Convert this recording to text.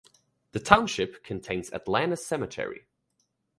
The township contains Atlanta Cemetery.